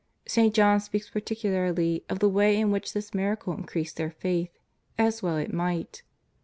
St. John speaks particularly of the way in which this miracle increased their faith — as well it might.